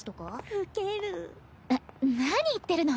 ウケるな何言ってるの？